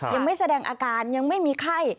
ยังไม่แสดงอาการยังไม่มีไข้